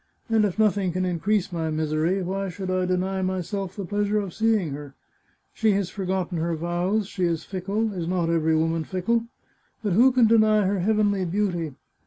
And if nothing can increase my misery, why should I deny myself the pleasure of seeing her ? She has forgotten her vows, she is fickle — is not every woman fickle? But who can deny her heavenly beauty?